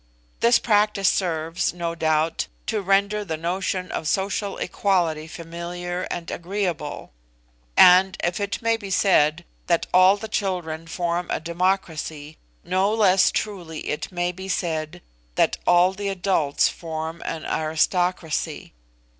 This practice serves, no doubt, to render the notion of social equality familiar and agreeable; and if it may be said that all the children form a democracy, no less truly it may be said that all the adults form an aristocracy.